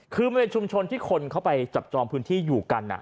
คือมันเป็นชุมชนที่คนเขาไปจับจองพื้นที่อยู่กัน